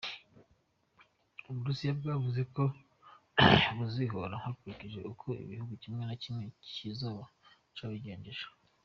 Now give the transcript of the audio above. Uburusiya bwavuze ko buzihora bukurikije ukwo igihugu kimwe kimwe kizoba cabigenjeje.